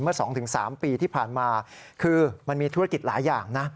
เมื่อ๒๓ปีที่ผ่านมาคือมันมีธุรกิจหลายอย่างนะ